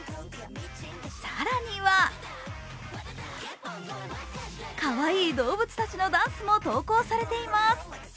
更にはかわいい動物たちのダンスも投稿されています。